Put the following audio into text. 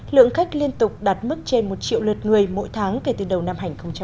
lượng khách liên tục đạt mức trên một triệu lượt người mỗi tháng kể từ đầu năm hai nghìn một mươi chín